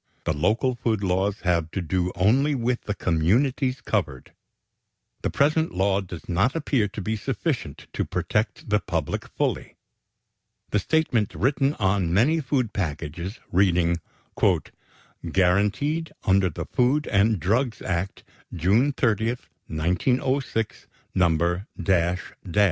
The local food laws have to do only with the communities covered. The present law does not appear to be sufficient to protect the public fully. The statement written on many food packages, reading "Guaranteed Under The Food and Drugs Act, June 30, 1906. No.